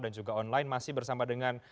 dan juga online masih bersama dengan